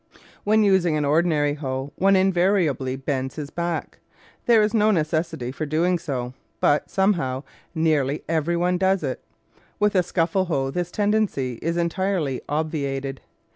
When using an ordinary hoe, one invari ably bends his back. There is no necessity for doing so, but, somehow, nearly every one does it. With a scuffle hoe this tendency is entirely obviated.